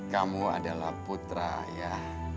kamu adalah putra ayah